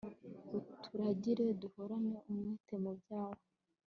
uturagire, duhorane umwete mu byawe